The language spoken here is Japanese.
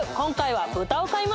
はい！